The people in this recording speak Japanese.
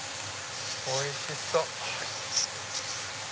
おいしそっ！